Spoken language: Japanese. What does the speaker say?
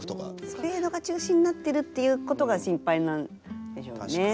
スペードが中心になってるっていうことが心配なんでしょうね。